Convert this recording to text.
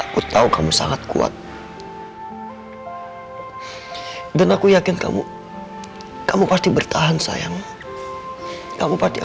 kepala aku penyok penyok